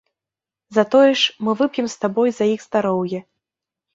Затое ж мы вып'ем з табой за іх здароўе.